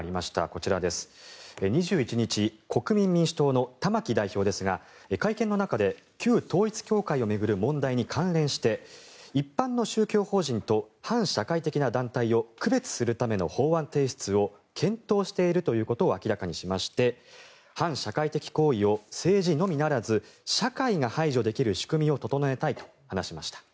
こちら、２１日国民民主党の玉木代表ですが会見の中で旧統一教会を巡る問題に関連して一般の宗教法人と反社会的な団体を区別するための法案提出を検討しているということを明らかにしまして反社会的行為を政治のみならず社会が排除できる仕組みを整えたいと話しました。